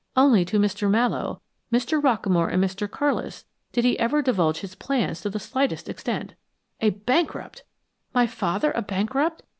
Only to Mr. Mallowe, Mr. Rockamore and Mr. Carlis did he ever divulge his plans to the slightest extent. A bankrupt! My father a bankrupt?